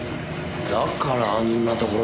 だからあんなところで。